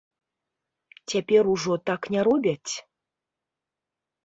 Цяпер ужо так не робяць?